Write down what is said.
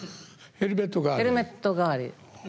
ヘルメット代わり。